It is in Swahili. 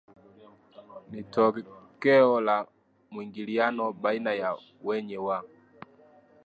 ni tokeo la mwingiliano baina ya wenye wa